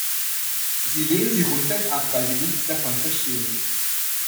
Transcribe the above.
Sie lehnen sie rundweg ab, weil Sie nichts davon verstehen.